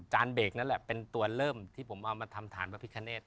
เบรกนั่นแหละเป็นตัวเริ่มที่ผมเอามาทำฐานพระพิคเนต